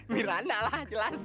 miranda lah jelas